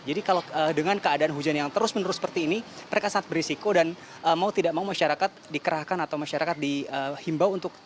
jadi kalau dengan keadaan hujan yang terus menerus seperti ini mereka sangat berisiko dan mau tidak mau masyarakat dikerahkan atau masyarakat dihimbau untuk kembali